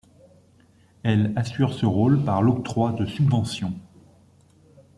Elle assure ce rôle par l'octroi de subventions.